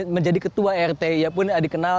menjadi ketua rt ia pun dikenal